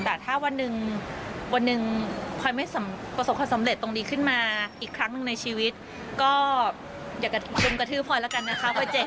แต่ถ้าวันนึงคอยไม่ประสบความสำเร็จตรงดีขึ้นมาอีกครั้งหนึ่งในชีวิตก็อย่ากระทึ่งกระทื้อคอยแล้วกันนะคะคอยเจ็บ